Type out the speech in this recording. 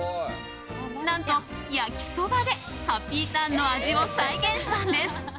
何と焼きそばでハッピーターンの味を再現したんです。